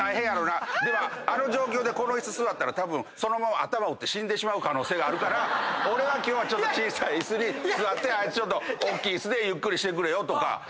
でもあの状況でこの椅子座ったらたぶんそのまま頭打って死んでしまう可能性があるから俺は今日は小さい椅子に座って大きい椅子でゆっくりしてくれよとか。